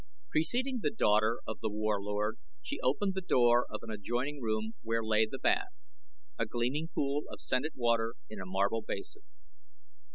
Preceding the daughter of The Warlord she opened the door of an adjoining room where lay the bath a gleaming pool of scented water in a marble basin.